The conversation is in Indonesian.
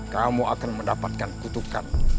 kamu akan mendapatkan kutukan